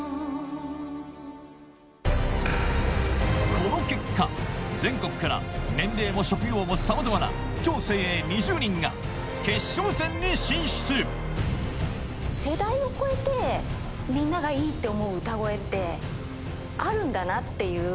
この結果全国から年齢も職業もさまざまな超精鋭２０人が決勝戦に進出ってあるんだなっていう。